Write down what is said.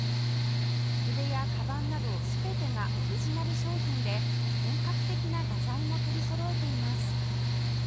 筆やかばんなど全てがオリジナル商品で本格的な画材も取りそろえています